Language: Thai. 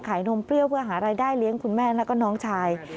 นมเปรี้ยวเพื่อหารายได้เลี้ยงคุณแม่แล้วก็น้องชาย